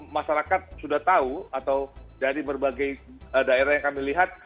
masyarakat sudah tahu atau dari berbagai daerah yang kami lihat